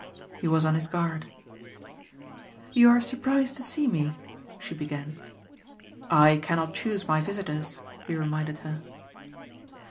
He was on his guard. "You are surprised to see me?" she began. "I cannot choose my visitors," he reminded her.